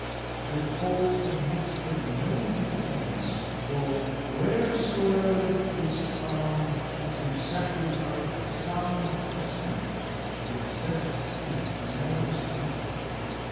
The fault admits of no defence, for wheresoe'er 'tis found, You sacrifice the sound for sense; the sense is never sound.